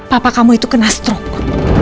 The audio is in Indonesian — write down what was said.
papa kamu itu kena strok